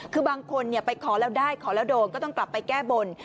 คือบางคนไปขอแล้วได้ขอแล้วโดนก็ต้องกลับไปแก้บน